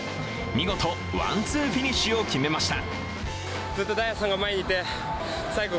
見事ワンツーフィニッシュを決めました。